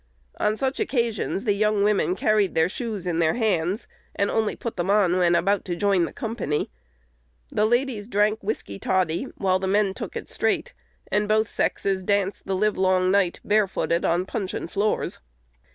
On such occasions the young women carried their shoes in their hands, and only put them on when about to join the company. The ladies drank whiskey toddy, while the men took it straight; and both sexes danced the live long night, barefooted, on puncheon floors.